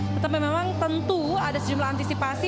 tetapi memang tentu ada sejumlah antisipasi